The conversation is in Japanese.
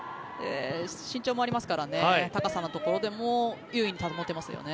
身長もありますから高さのところでも優位に保てますよね。